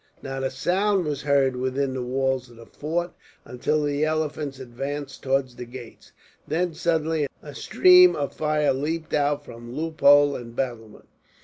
Not a sound was heard within the walls of the fort, until the elephants advanced towards the gates. Then suddenly a stream of fire leaped out from loophole and battlement.